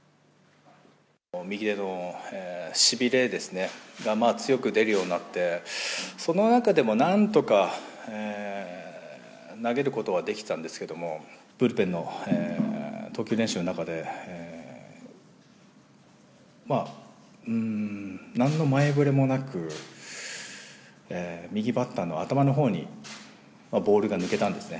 右腕のしびれですね、強く出るようになって、その中でも、なんとか投げることはできたんですけども、ブルペンの投球練習の中で、まあ、なんの前触れもなく、右バッターの頭のほうにボールが抜けたんですね。